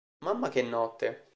Mamma che notte!